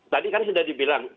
tadi kan sudah dibilang